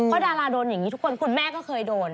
เพราะดาราโดนอย่างนี้ทุกคนคุณแม่ก็เคยโดน